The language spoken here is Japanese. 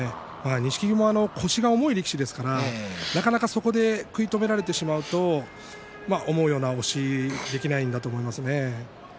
錦木も腰が重い力士ですからなかなか、そこで食い止められてしまうと思うような押しができないんだと思いますね。